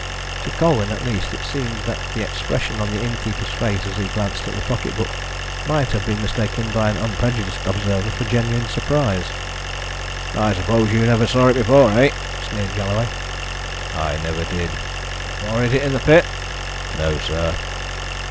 To Colwyn at least it seemed that the expression on the innkeeper's face as he glanced at the pocket book might have been mistaken by an unprejudiced observer for genuine surprise. "I suppose you never saw it before, eh?" sneered Galloway. "I never did." "Nor hid it in the pit?" "No, sir."